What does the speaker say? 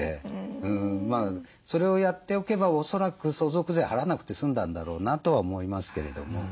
それをやっておけばおそらく相続税払わなくて済んだんだろうなとは思いますけれども。